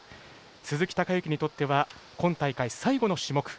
鈴木孝幸にとっては今大会最後の種目。